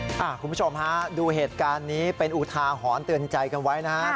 คุณผู้ชมฮะดูเหตุการณ์นี้เป็นอุทาหรณ์เตือนใจกันไว้นะฮะ